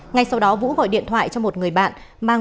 ngay sau đó vũ gọi điện thoại cho một người bạn